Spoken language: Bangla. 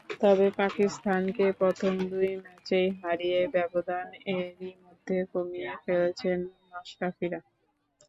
তবে পাকিস্তানকে প্রথম দুই ম্যাচেই হারিয়ে ব্যবধান এরই মধ্যে কমিয়ে ফেলেছেন মাশরাফিরা।